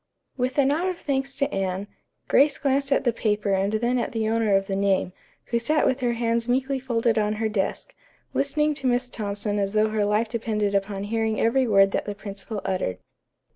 With a nod of thanks to Anne, Grace glanced at the paper and then at the owner of the name, who sat with her hands meekly folded on her desk, listening to Miss Thompson as though her life depended upon hearing every word that the principal uttered.